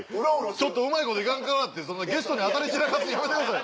ちょっとうまいこといかんからってゲストに当たり散らかすのやめてください。